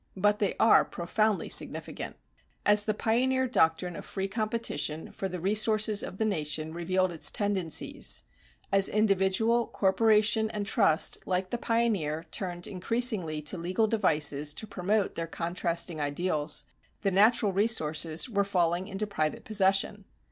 But they are profoundly significant. As the pioneer doctrine of free competition for the resources of the nation revealed its tendencies; as individual, corporation and trust, like the pioneer, turned increasingly to legal devices to promote their contrasting ideals, the natural resources were falling into private possession.